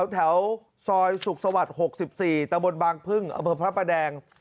แถวซอยสุขสวรรค์๖๔ตะบนบางพึ่งอำเภอพระประแดง